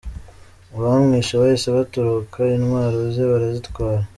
Abamwishe bahise batoroka, intwaro ze barazitwara.